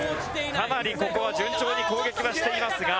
かなりここは順調に攻撃はしていますが。